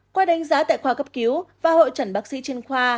qua đánh giá tại khoa cấp cứu và hội trần bác sĩ chuyên khoa